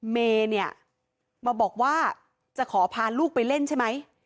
เมย์เนี่ยมาบอกว่าจะขอพาลูกไปเล่นใช่ไหม